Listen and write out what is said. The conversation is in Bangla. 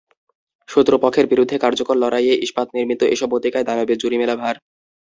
শত্রুপক্ষের বিরুদ্ধে কার্যকর লড়াইয়ে ইস্পাতনির্মিত এসব অতিকায় দানবের জুড়ি মেলা ভার।